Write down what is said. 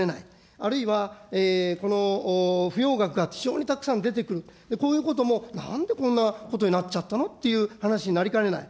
あるいはこのふよう額が非常にたくさん出てくる、こういうこともなんでこんなことになっちゃったのっていう話になりかねない。